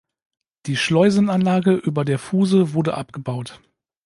Die Schleusenanlage über der Fuhse wurde abgebaut.